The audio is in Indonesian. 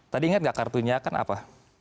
tadi ingat gak kartunya kan apa